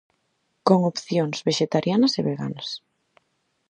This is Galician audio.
Con opcións vexetarianas e veganas.